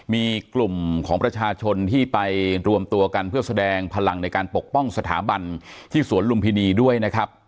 มีกลุ่มของประชาชนที่ไปรวมตัวกันเพื่อแสดงพลังในการปกป้องสถาบันที่สวนลุมพินีด้วยนะครับ